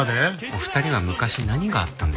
お二人は昔何があったんですか？